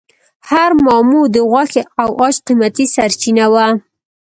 هر ماموت د غوښې او عاج قیمتي سرچینه وه.